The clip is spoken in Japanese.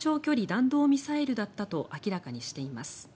弾道ミサイルだったと明らかにしています。